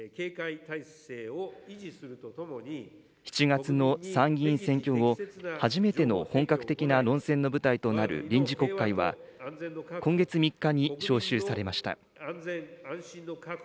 ７月の参議院選挙後、初めての本格的な論戦の舞台となる臨時国会は、今月３日に召集されました。